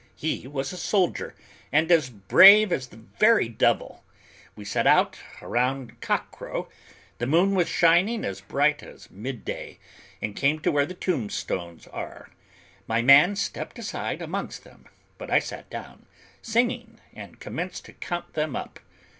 He was a soldier, and as brave as the very devil. We set out about cock crow, the moon was shining as bright as midday, and came to where the tombstones are. My man stepped aside amongst them, but I sat down, singing, and commenced to count them up.